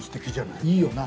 いいよな。